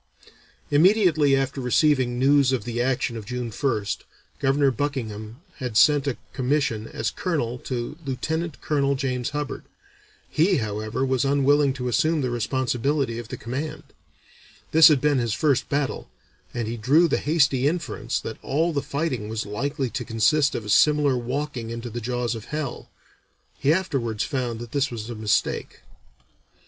Immediately after receiving news of the action of June 1st, Governor Buckingham had sent a commission as colonel to Lieutenant Colonel James Hubbard. He, however, was unwilling to assume the responsibility of the command; this had been his first battle, and he "drew the hasty inference that all the fighting was likely to consist of a similar walking into the jaws of hell. He afterwards found that this was a mistake."